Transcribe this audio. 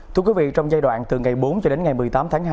thưa quý vị trong giai đoạn từ ngày bốn cho đến ngày một mươi tám tháng hai